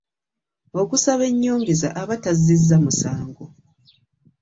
Okusaba enyongeza aba tazizza musango .